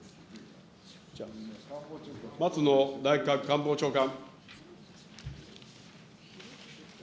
松野内閣官房長官。